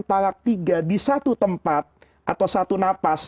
talak tiga di satu tempat atau satu napas